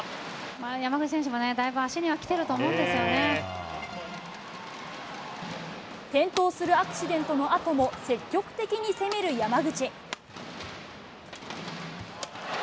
山口選手もね、だいぶ足には転倒するアクシデントのあとも、積極的に攻める山口。